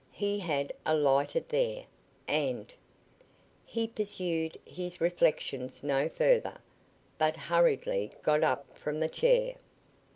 He had alighted there, and He pursued his reflections no further, but hurriedly got up from the chair.